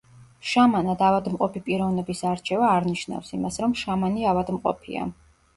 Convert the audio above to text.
შამანად ავადმყოფი პიროვნების არჩევა არ ნიშნავს იმას, რომ შამანი ავადმყოფია.